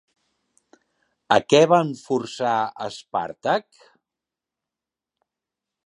A què van forçar a Espàrtac?